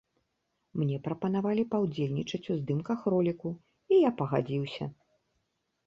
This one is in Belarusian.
Мне прапанавалі паўдзельнічаць у здымках роліку, і я пагадзіўся.